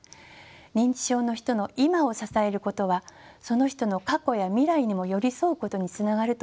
認知症の人の今を支えることはその人の過去や未来にも寄り添うことにつながると思います。